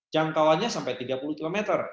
jangkauannya sampai tiga puluh km